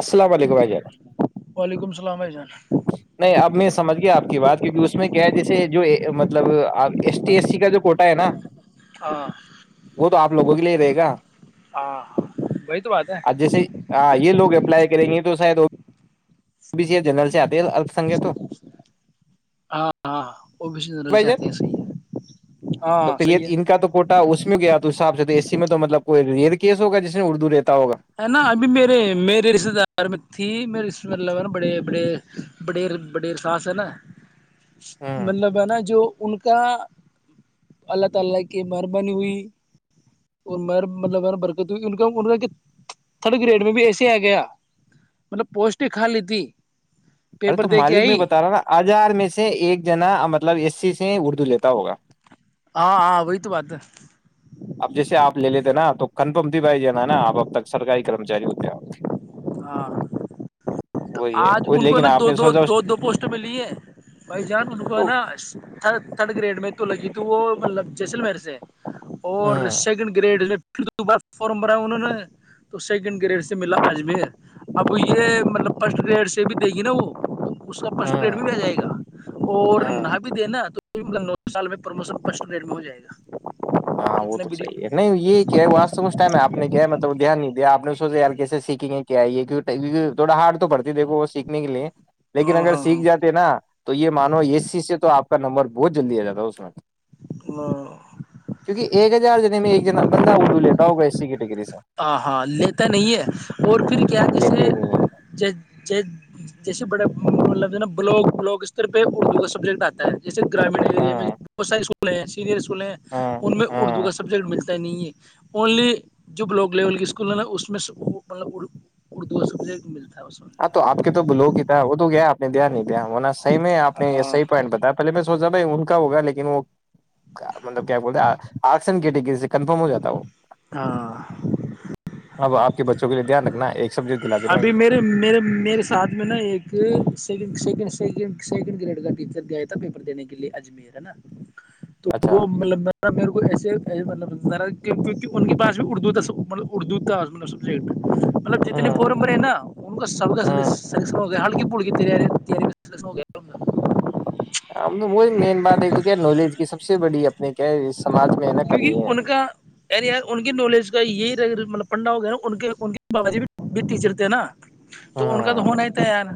السلام علیکم بائی ج اسلام جان نہیں ابمی [unintelligible] سمجھ گیا آپ کی بات کیک اس میں کیا ہے جیسے جو مطلب ایس ٹی ایس سی کا جو کوٹا ہے نا ہاں [unintelligible] ہوگلیرے گ ہاں وہی تو بات ہے آ جیسے ہاں یہ لوگ ہے اپلائی کریں گے تو شاید او ا س جنرل سے آتا تل اپسنکھ تو ہو ہاں ہاں وہ بھی بھائی جان سےتے ہیں سحیح ہے ہاں سحیح ہے صاحب تو اسی میں توطل کوئی ریئ کیس ہوگا جس میں اردو رہتا ہوگا ہے نا ابھی میرے میرے رشتے دار دارمک تھی میرریشت لن بڑےڑ بڑےیرساس ہیں ہوں مطلب ہے نا جو ان کا [unintelligible] کا اللہ تعالی کی مہربانی ہوئی اور م مطلب برکت ہوئی ان کا ان کا تھرڈ گریڈ میں بھی ایسے آ گیا مطلب پوسٹ ہی کھا لی تھی ارے تو مالک میں بتا رہا ہوں نا آزار میں سے ایک جنام مطلب اسی سے ہی اردو لیتا ہوگا ہاں ہاں وہی تو بات ہے اب جیسے آپ لے لیتے نا تو کنفرم ت بھائی ج نا نا آپ اب تک سرکاری کرمچاری ہوتے ہیں ہاں تو وہی ہے آج وہ، ان کو لیکن نا آپ دو نے دو سوچا اس دو دو پوسٹوں میں لی ہیں بھائی جان ان کو تو ہے نا تھر تھرڈ گریڈ میں تو لگی تو وہ مطلب جیسلمیر سے اور ہوں سیکنڈ گریڈ دو بار فارم بھرا انہوں نے تو سیکنڈ گریڈ سے ملا آج بھی اب یہ مطلب فسٹ گریڈ سے بھی دے گی نا وہ اس کا فسٹ پلیٹ ہوں بھی آ جائے گا اور ہوں نہا بھی دے نا تو [unintelligible] ہاں وہ کتنا تو بڑی صحی ہے نہیں یہی کیا ہے وہاس تو اس ٹائم ہے آپ نے کیا ہے مطلب دھیان نہیں دیا آپ نے سوچے یار کیسے سیکھیں گے کیائی یہ تھوڑا ہارڈ تو پڑتی ہے دیکھو وہ سیکھنے کے لیے لیکن ہاں اگر ہاں سیکھ جاتے نا تو یہ مانو اس چیز سے تو آپ اس نمبر بہت جلدی آ جاتا اس میں ہاں کیک ایک ہزار جنے میں ایک جنا بندہ اردو لیتا ہوگا اس سےے ہاں ہاں لیتا نہیں ہے اور پھر کیا لیتے نہیں ہے جیسے جیسے بڑے مطلب جو ہے نا بلاگ بلاگ استر پہ اردو کا سبجیکٹ آتا ہے جیسے گامین اییریا میں ہاں بہت ساری اسک اسول سینئر اسکول ہیں ہاں ان میں ہاں اردو کا سبجیکٹ ملتا ہی نہیں ہے اونلی جب ب لوک لیول کے اسکول ہیں نا اس میں سے مطلب اردو کا سبجیکٹ ملتا ہے اس ہاں میں تو آپ کے تو بلو کی تھا وہ تو گیا آپ نے دیا نہیںیا وہنا صح میں آپ نے یہ صحی پوائنٹ بتایا پہے میں سوچا ب ان کا ہوگا لیکن وہ مطلب کیا بولتے آسن گٹ گ سے کنفرم ہو جاتا وہ [unintelligible] اب آپ کے بچوں کےے دھیان رکھنا ہے ایک سبجیکٹ دلا دینا ابھی ان کو میرے میرے میرے ساتھ میں نا ایک second second second second grade کا ٹیچر گیا تھا پیپر دینے کے لیے اجمیر ہے نا تو اچھا وہ مطلبا میرے کوئی ایسے مطلب ذرا کیونکہ ان کے پاس بھی اردو کا مطلب اردو کا مطلب سبجیکٹ نی ہ پمے ہے نا ان کا سب ہ پڑ گیو گ وہی مین بات ایک تو کیا نالج کی سب سے بڑی اپنے کیا ہے سماج میں ہے نا کمی کیونکہ ہے ان کا یعنی یار ان کی نالج کا یہی مطلب پنڈا ہو گیا نا ان کے ان کے بابا جی بھی [unintelligible] تو ان کا تو ہونا ہی تھا یار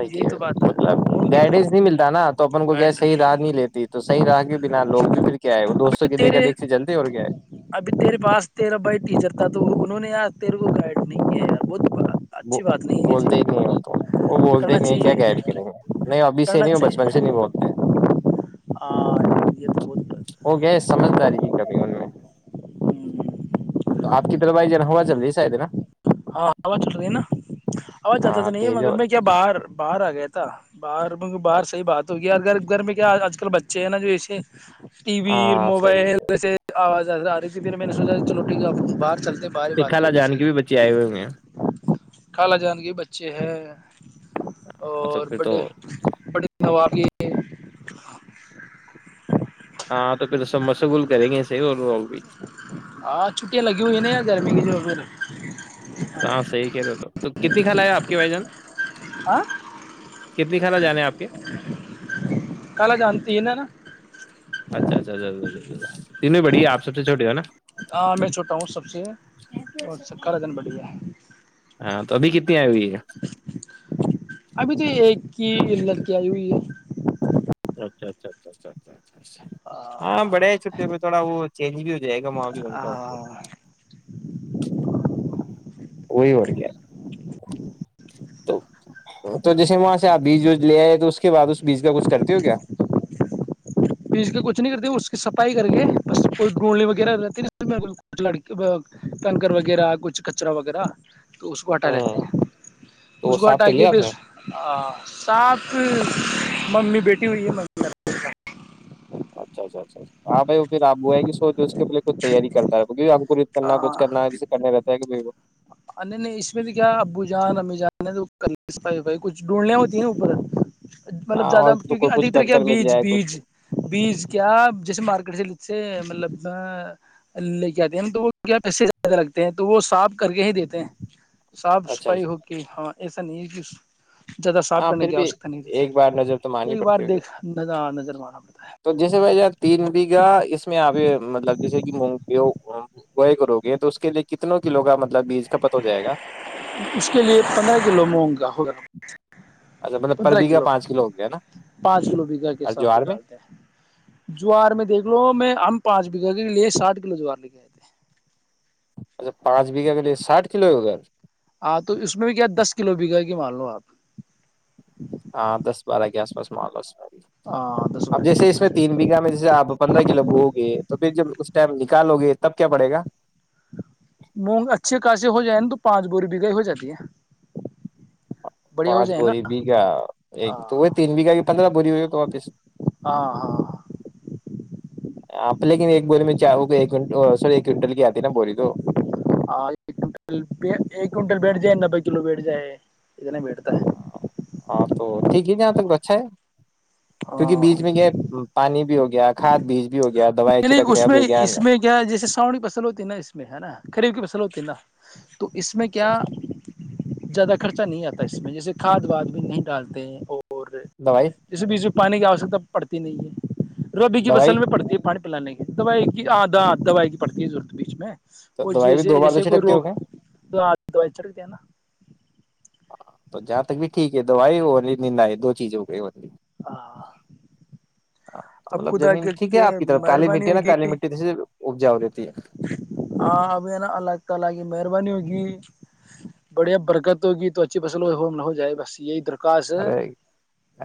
ہی یہی تو بات مطلب ہے گائیڈینس نہیں ملتا نا تو اپن کو کیا ہے صحی راہ نہیں لیتی تو صحی راہ کے بنا لوگ بھی پھر کیا ہےئے وہ ابھی دوستوں کے دیکھا تیرے دیکھتے جلتے اور کیا ہے ابھی تیرے پاس تیرا بھائی ٹیچر تھا تو نے تیر کو گائڈ نہیں ب بولتے ہی نہیں وہ تو وہ بولتے ہی کرنا نہیں کیا کیڈ چاہیے کریں گے نہیں ابھی سے کرنا نہیں بچپن چاہیے سے نہیں بولتے ہاں یہ تو بہت وہ گئے سمجھداری کی کبھی تو آپ کی طرف بئی جن ہوا چل رہی ہے شاید نا ہاںاز چ رہ نا آواز جاتتا تو ہاں نہیں ہے تیز مگر ہوا- میں کیا باہر باہر آ گیا تھا باہر بر صحی بات ہوئی یار گھر گھر میں کیا آج کل بچے ہیں نا جو ایسے ٹی وی ہاں صحیح موبائل ہے جسے آاز آ رہیھی پھر میں نے سوچا چلوٹھیک آپ کو باہ چلتے بارے باتیں ہوگ سیح کیا آئے ہوئے میں کالا جان کے بچے ہیں ہاں تو اور پھر تو بڑے بڑی سوار بھی ہاں تو پھر سب مشغول کریں گے سے اور بھی ہاں چھٹیں لگی ہوئی ہے ن ا جار م پے ساں صحی کہ تو کتنی خلا ہے آپ کے بھائی جان ہ کتنی خالہ جان ہے آپ کے کال جانتی ہے نا نا اچھا اچھا تینو بڑی ہے آ سب سے چھوٹیے ہو نا ہاں میں چھوٹا ہوں سب اس سے اور س کارا دن بڑھیا ابھیت آ ہے ابھی تو ایک کی لڑکی آئی ہوئی ہے اچھا اچھا اچھ اچا اچا چ ہاں بڑے ہے چھٹی پ تھوڑا وہ چلی بھی جائے گا وہاں بھی بتا ہوتے وہئیو کے [unintelligible] تو جیسے وہاں سے آپ بیج وج لے آئے تو اس کے بعد اس بیج کا کچھ ک کرتی ہو کیا پیس کے کچھ نہیں کرتے اس کی صفائی کر کے بس کوئی گھولی وغیرہتیچ لکی کنکر وغیرہ کچھ کچرا وغیرہ تو اس کو ہٹا ہاں لیتے ہیں تو اس وہ کو صاف ہٹا کر کے لیا آپ پھر نے سات ممی بیٹی ہوئی ہے م اچھا اچھا اچھا ہاں بھائی وہ پھر آبو ہے کہ س کےے کچ تیاری کرتا ہے کرنا کچھ کرنا جسے کرنے رہ تگ بو ار نہیں نہیں اس میں تو کیا ابو جان امی جان ہے تو پائیھائی کچھ ڈھونڈیاں ہوتی ہیں اوپر مطلب ہاں زیادہ اور تو کو کیونکہ کچھ ادک طرح کر کیا کر مل بیج جائے کچھ بیج بیج کیا جیسے مارکیٹ سے سے مطلب لے کے آتے ہیں تو وہ کیا پے زیادہ لگتے ہیں تو وہ صاف کر کے ہی دیتے تے صاف اچھا صفائی اچھا ہوک ہاں ایسا نہیں ہے زیادہ صاف ہاں کرنے پھر کی بھی آوشکتا نہیں ایک بار نظر تو رہتے مارنی ایک بار پڑتی ہوگی دیکھ نظ نظر ارا تو جیسے بھائی یار تین بیگھا اس میں آپ مطلب جیسے کہ مون گوئے کرو گے تو اس کے لیے کتنا کلو کا مطلب بیج کھپت ہو جائے گا اس کے لیے پندرہ کلو مونگا ہوگا اچھا مطلب پر پندرہ بیگھا کلو پانچ ہو گیا نا پانچ کلو بیگہ کے اور حساب سے جوار میں ڈالتے ہیں جوار میں دیکھ لو میں ہم پانچ بیگھہ کے لیے ساٹھ کلو جوار لے کے آئے تھے اچھا پانچ بیگا کے لیے ساٹھ کلو ہو گاھر ہاں تو اس میں بھی کیا دس کلو بگا کے مان لو آپ ہاں دس بارہ کے آس پاس م [unintelligible] ہاں دس اب بارہ جیسے اس میں کلو تین بیھہ میں جیسے آپ پندرہ ک لو بو گے تو پھر جب ٹائم نکالو گے تب کیا پڑے گا مونگ اچھے خاص ہو جائے نا تو پانچ بور بگائی ہو جاتی ہے بڑھیا ہو پانچ جائے نا بوری بیگا ایک تو وہ ہاں تین بیگا کہ پندرہ بور ہو تو واپس ہاں آپ لیکن ایک بوری میں چاہ سوری ایک کنٹل کی آتی ہے نا بوری تو ہاں ایک ایک کنٹل بیٹ جائے نبے کلو بیٹ جائے بیٹھتا ہے ہاں تو ٹھیک ہے جاں تک تو اچھا ہے کیونکہ ہاں بیچ میں کیا پانی بھی ہوگی نہیں نہیں اس بھی میں ہو گیا اس میں کیا جیسے ساونی فصل ہوتی ہے نا اس میں ہے نا خریب کی فصل ہوتی نا [unintelligible] تو اس میں کیا زیادہ خرچہ نہیں آتا اس میں جیسے کھاد واد بھی نہیں ڈالتے ہیں اور دوائی [unintelligible] پانی کی آوشکتا پڑتی نہیں ہے روبی کی دوائی فصل میں پڑتی ہے پانی پلان کے دوائی کی دوائی کی پڑتی ہے رورت بیچ میں تو اور دوائی بھی جیسے دو بار تو جیسے کوئی چھٹکتے روگ ہو گئے دوائی چڑتے ہیں نا تو جہاں تک بھی ٹھیک ہے دوائی اور نا ہے دو چیز ہو گئی ہاں ہاں تو اب مطلب خود آگ زمین ٹھیک ہے کے آپ کی طرف کالی مہربانی مٹی نا ہوگی کالی مٹی سے اپجاؤ رہتی ہے ہاں اب ہے نا الگ تگ مہربانی ہوگی بڑھیا برکت ہوگی تو اچھی بس چلو ہو ہم نہ ہو جائے بس یہی درخواست ہے ارے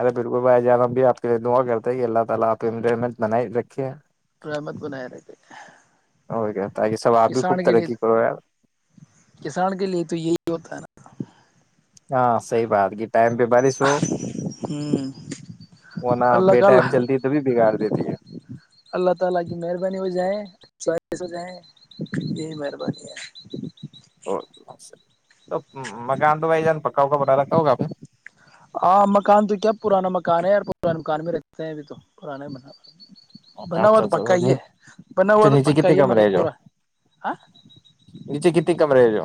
ارے بالکل بھائی جان ہم دعا کرتا ہے یہ اللہ تعالی اپ پہ رحمت بنائے رکھے ہیں رحمت بنائے رکھے اور کیا تاکہ سب آپ بھی خوب کسان کے لیے ترقی کرو یار کسان کے لیے تو یہی ہوتا ہے نا [unintelligible] ہاں سی بات گی ٹائم پہ بارش ہو ہ ور نہ اللہ بے کا ائم اللہ چلتی ہے تبھی بگاڑ دیتی ہے اللہ تعالی کی مہربانی ہو جائےیں ہو جائیں یہی مہربانی ہے تو مکان تو بھائی جان پکا ہوگا بنا رکھا ہوگا آپ نے ہاں مکان تو کیا پرانا مکان ہے پرانے مکان میں رہتے ہیں ابھی تو پرانا مان اچھا اچھا تو ہوا نیچے پکا کتنے ہی کمرے مگر ہے جو پورا ہاں نیچے کتنی کمرے ہے جو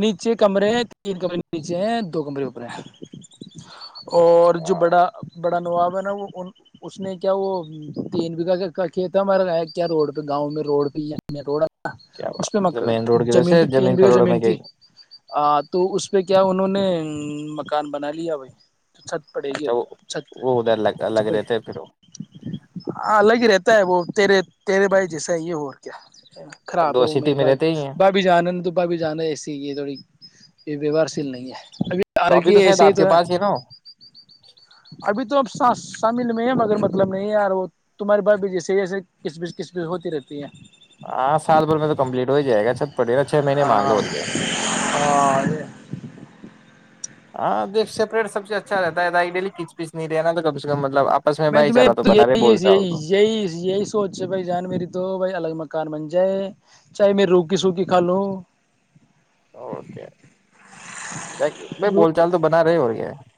نیچے کمرے تین کمرے نیچے ہیں دو کمرے اوپرے ہیں اور جو اچھا بڑا بڑا نواب بنا وہ اس نے کیا وہ تین بیگہ کھی تھا ہمارا کیا روڈ پہ گاؤں میں روڈ پہ رو کیا اس میں بات مین روڈ کی وجہ زمین سے بھی تین بیگہ کروڑوں زمین میں تھی گئی ہ تو اس پہ کیا انہوں نے مکان بنا لیا بھائی چھت پڑے گی اچھا وہ وہ ادھر لگ لگ رہے تھے پھر ہاں اللہ کی رحمت وہ تیرے تیرے بھائی جیسا ہے یہ ہو اور کیا اب خراب دو ہو سٹی میری میں رہتے ہی ہیں بابھی جان ہے تو بھابھی جان ایسی یہ تھوڑی یہ ووہار شیل نہیں ہے ابھی تو آرک شاید ایسے ہی آپ کے تو ہے پاس نا ہو ابھی تو اب سس شامل میں ہے مگر مطلب نہیں یار وہ تمہاری بائی بھی جیسے ہی جسے کس بیچ کس بیچ ہوتی رہتی ہے ہاں سال بھر میں تو کمپلیٹ ہو ہی جائے گا چت پڑے گا چھ مہینے مان لو اور کیا ہے اور ہاں دیکھ سیپریٹ سب چیز اچھا رہتا ہے ڈیلی کچ پچ نہیں رہے نا تو کم سے کم مطلب آپس میں بھائی تمہیں چارہ تو بنا رہے یہی بول یہ چال تو یہی یہی سوچ بھائی جان میری تو بھائی الگ مک منجے چاہے میں روح کی سوکھی کھا لو کیا بھائی رو بول چال تو بنا رہے ہو رہ گ [unintelligible]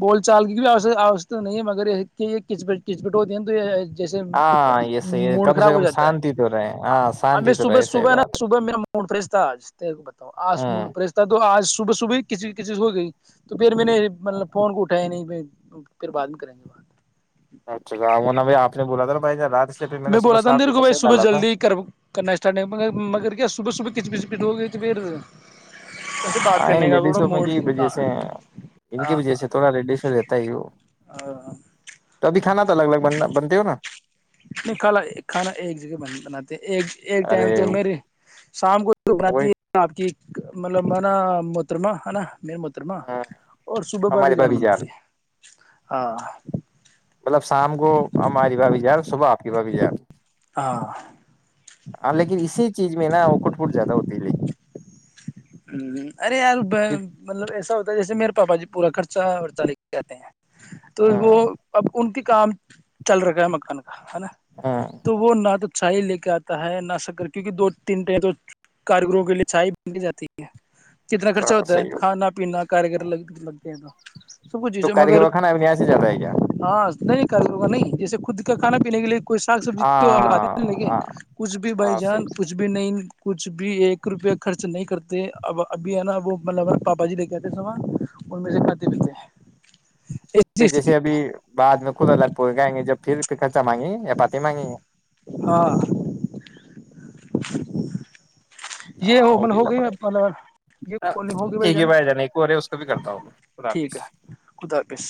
بول چال کی بھی آتا نہیں ہے مگر یہ کچٹ کچپٹ ہوتی ہے تو یہ جیسے ہاں یہ صحیح ہے موڈ کم سے خراب ہو کم جاتا ہے شانتی تو رہے ہاں ابھی میں شانتی تو صبح رہے صحیح صبح نا بات ہے صبح میرا موڈ فریش تھا آج تے کو بتاؤ آج موڈ ہوں فریش تھا تو آج صبح صبح کسی کسی ہو گئی تو پھر میں نے مطلب فون کو اٹا نہیں پھر بعد میں کریں گے بات اچھا بھائی آپ نے بولا تھا بھائی جان رات اس لیے پھر میں نے صبح بولا تھا سات دیر کو بائی میسج صبح ڈالا تھا جلدی کرنا اسٹارٹ نہیں مگر کیا صبح صبح کچ بج پیٹ ہوگئی پھر کیسے بات ہاں ان کرنے کا لیڈی تھوڑا شو کی وجہ سے ان کی موڈ وجہ سے تھوڑا رڈی شو رہتا ہی وہ تو ابھی کھانا تو الگ الگن بن ہوا نہیں کھالا کھانا ایک جگہ بناتے ایک ایک ارے ٹائم تو میر شام کو بناتی وہی ہے آپ کی مطلب مانا محترمہ ہے نا میرے محترما آ، اور صبح بابھی ہماری جان بھابھی بناتی ہے ہاں مطلب شام کو ہماری بھابی جان صبح ک بھابھی جان ہاں ہاں لیکن اسی چیز میں نا وہ کٹ پٹ زیادہ ہوتی ہے لیکن ہ ارے یار مطلب ایسا ہوتا ہے جیسے میر پاپا جی پورا خرچہ ورچہ لے کے جاتتے ہیں تو ہاں وہ اب ان کی کام چل رہےا ہے مکان ہے نا ہاں تو وہ نہ تو چائے لے کے آتا ہے ناسک کر کیوںکہ دو تین ٹائم کاریگروں کے لیے چائے بن جاتی ہے [inaudible] کتنا خرچہ تو ہوتا ہے صحیح ہو کھانا پینا کگر لگتے ہیں تو سب کچھ تو چیزیں مگر کاریگر کھانا اب یہاں سے جاتا ہے کیا ہاں نہیں کر ہوگا نہیں جیسے خود کا کھا پینے کے لیے تو کوئی ساگ سبزی تو آتے ہاں نا لگے ہاں کچھ بھی بھائی ہاں صحیح جان کچھ بھی نہیں کچھ بھی ایک روپیہ خرچ نہیں کرتا اب ابھی ہے نا وہ مطلب پاپا جی لے کےتے ساں ان میں سے کاتے پ تھتے پھر جیسے ابھی بعد میں خود الگ پائیں گے جب پھر پھر خرچہ مانگیں گ نہیں یہپاتی مگی ہے ہاں [inaudible] یہ ہاں وہ مطلب بھی ہوگئی اللہ پڑے یہ گا کالنگ ہوگئی بھائی ج ٹھیک ہے نا جان ایک اور ہے اس کو بھی کرتا ہوں میں۔ خدا ٹھیک حافظ ہے خدا حافظ